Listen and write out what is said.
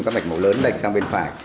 các mạch mổ lớn đẩy sang bên phải